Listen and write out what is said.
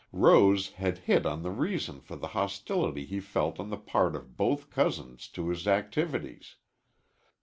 Rose had hit on the reason for the hostility he felt on the part of both cousins to his activities.